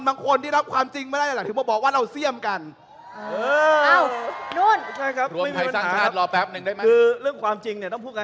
ทั้งนั้นก็ไม่ได้นะครับต่อไปเรื่องไทยเสียมไทยผมบอกตรง